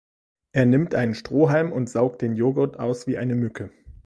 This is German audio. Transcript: Er nimmt einen Strohalm und saugt den Jogurt aus wie eine Mücke.